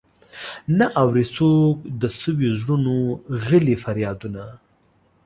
نه اوري څوک د سويو زړونو غلي فريادونه.